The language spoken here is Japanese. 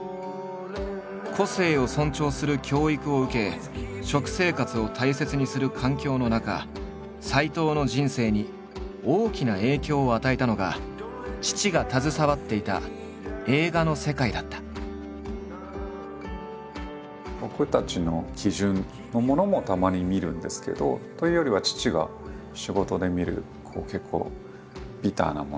個性を尊重する教育を受け食生活を大切にする環境の中斎藤の人生に大きな影響を与えたのが僕たちの基準のものもたまに見るんですけどというよりは父が仕事で見る結構ビターなものとか。